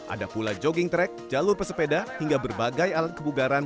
ada pula jogging track jalur pesepeda hingga berbagai alat kebugaran